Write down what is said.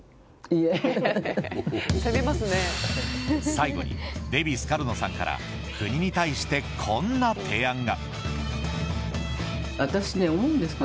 最後にデヴィ・スカルノさんから国に対して、こんな提案が。